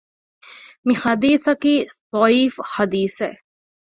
މިޙަދީޘަކީ ޟަޢީފު ޙަދީޘެއް